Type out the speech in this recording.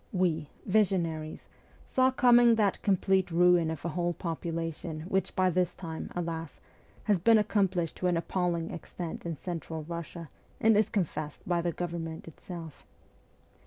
We, ' visionaries, saw coming that complete ruin of a whole population which by this time, alas, has been accomplished to an appalling extent in Central Eussia, and is confessed by the government itself.